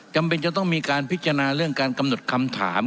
จำเป็นจะต้องมีการพิจารณาเรื่องการกำหนดคำถาม